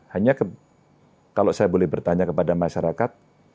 hanya kalau saya boleh bertanya kepada masyarakat